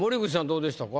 どうでしたか？